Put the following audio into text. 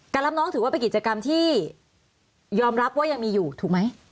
รับน้องถือว่าเป็นกิจกรรมที่ยอมรับว่ายังมีอยู่ถูกไหม